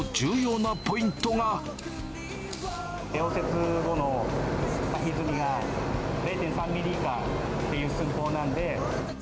溶接後のひずみが、０．３ミリ以下っていう寸法なんで。